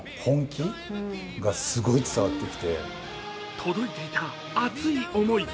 届いていた熱い思い。